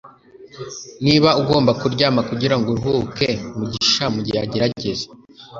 niba ugomba kuryama kugirango uruhuke? mugisha mugihe agerageza